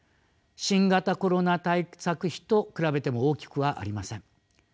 新型コロナ対策費と比べても大きくはありません。